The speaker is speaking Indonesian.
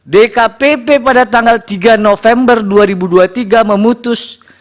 dkpp pada tanggal tiga november dua ribu dua puluh tiga memutus